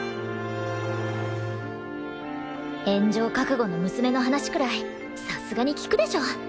炎上覚悟の娘の話くらいさすがに聞くでしょ